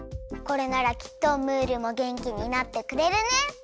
これならきっとムールもげんきになってくれるね！